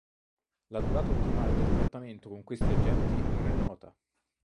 La durata ottimale del trattamento con questi agenti non è nota.